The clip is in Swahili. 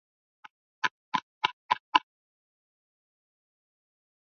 lakini pia ni muhimu kuakikisha usalama wa wafanyakazi wa shirika hilo